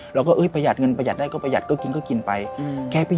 รอบถึงเก่งจากติดเกอร์ประหว่างจะมองกายเก่งมาก